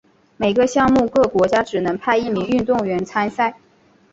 每个项目各国家只能派一名运动员参赛。